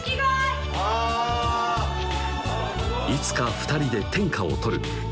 いつか２人で天下を取る！